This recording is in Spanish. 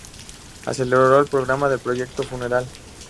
Aceleró el programa del Proyecto Funeral.